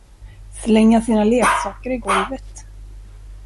Slänga sina leksaker i golvet.